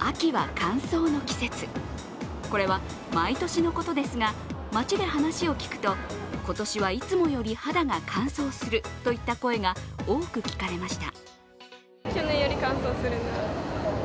秋は乾燥の季節、これは毎年のことですが街で話を聞くと今年はいつもより肌が乾燥するといった声が多く聞かれました。